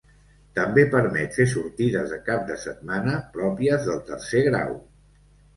També permet fer sortides de cap de setmana, pròpies del tercer grau.